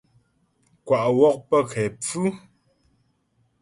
Kwa' wɔ' pə kɛ pfʉ.